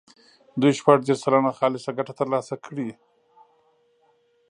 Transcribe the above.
دوی شپږ دېرش سلنه خالصه ګټه ترلاسه کړي.